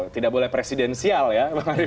tidak boleh presidensial ya